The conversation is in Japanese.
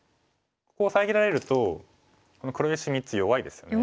ここを遮られるとこの黒石３つ弱いですよね。